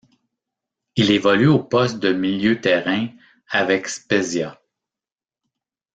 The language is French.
Il évolue au poste de milieu terrain avec Spezia.